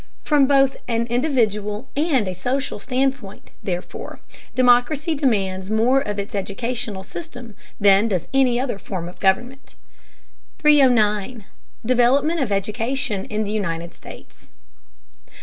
From both an individual and a social standpoint, therefore, democracy demands more of its educational system than does any other form of government. 309. DEVELOPMENT OF EDUCATION IN THE UNITED STATES.